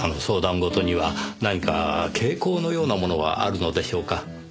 事には何か傾向のようなものはあるのでしょうか？